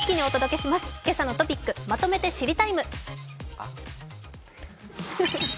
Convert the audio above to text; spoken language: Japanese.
「けさのトピックまとめて知りＴＩＭＥ，」